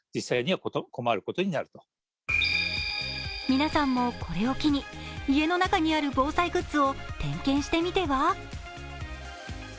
皆さんもこれを機に家の中にある防災グッズを点検してみては？